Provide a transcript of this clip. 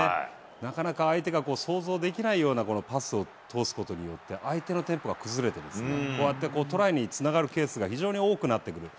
なかなか相手が想像できないような、このパスを通すことによって、相手のテンポが崩れてですね、こうやってトライにつながるケースが非常に多くなってくる。